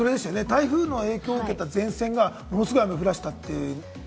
台風の影響を受けた前線がものすごい雨を降らせた。